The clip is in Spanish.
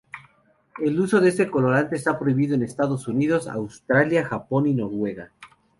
El uso de este colorante está prohibido en Estados Unidos, Australia, Japón y Noruega.